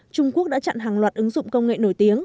trung quốc đã chặn hàng loạt ứng dụng công nghệ nổi tiếng